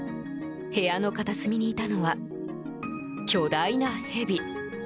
部屋の片隅にいたのは巨大なヘビ。